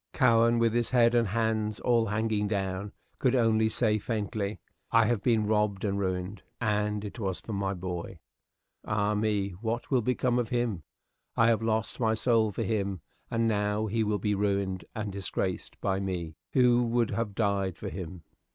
Cowen, with his head and hands all hanging down, could only say, faintly, "I have been robbed and ruined, and it was for my boy. Ah, me! what will become of him? I have lost my soul for him, and now he will be ruined and disgraced by me, who would have died for him."